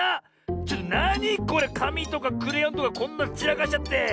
ちょっとなにこれ⁉かみとかクレヨンとかこんなちらかしちゃって。